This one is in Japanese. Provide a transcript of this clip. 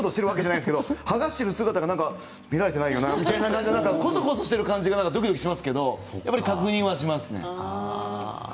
そうすると悪いことしてるわけじゃないですけど剥がしている姿は見られていないかなとこそこそしている感じがドキドキしますが確認しますね。